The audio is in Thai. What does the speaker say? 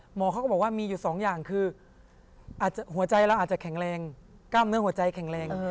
หมอเขาก็บอกว่ามีอยู่สองอย่างคือหัวใจเราอาจจะแข็งแรงกล้ามเนื้อหัวใจแข็งแรง